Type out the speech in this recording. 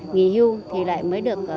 nghỉ hưu thì lại mới được